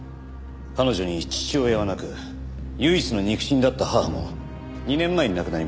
彼女に父親はなく唯一の肉親だった母も２年前に亡くなりました。